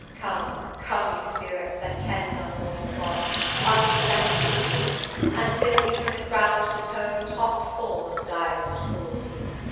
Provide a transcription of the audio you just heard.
_"Come, come, you spirits That tend on mortal thoughts, unsex me here; And fill me from the crown to the toe, top full Of direst cruelty!